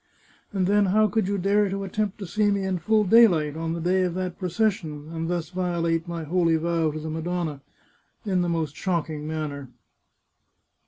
And then, how could you dare to attempt to see me in full daylight, on the day of that procession, and thus violate my holy vow to the Madonna, in the most shocking manner?